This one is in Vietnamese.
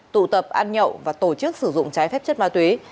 tụ tập ăn nhậu và tổ chức sử dụng trái phép chất ma túy